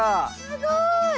すごい！